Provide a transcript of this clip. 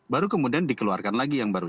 baru kemudian dikeluarkan lagi yang baru